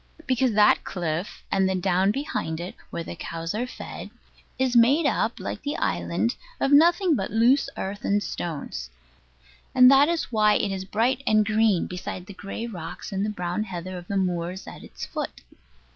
Because that cliff, and the down behind it, where the cows are fed, is made up, like the island, of nothing but loose earth and stones; and that is why it is bright and green beside the gray rocks and brown heather of the moors at its foot.